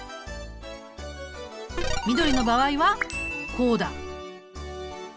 緑の場合はこうだ。